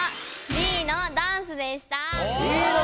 Ｂのダンスでした。